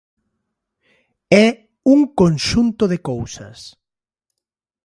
É un conxunto de cousas.